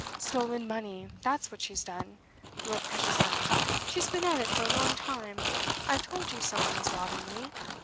'Stolen money, that's what she's done your precious Emma! She's been at it for a long time; I've told you some one was robbing me.